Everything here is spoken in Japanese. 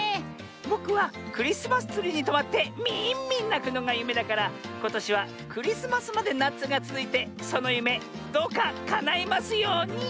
ぼくはクリスマスツリーにとまってミーンミンなくのがゆめだからことしはクリスマスまでなつがつづいてそのゆめどうかかないますように！